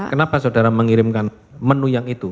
kenapa saudara mengirimkan menu yang itu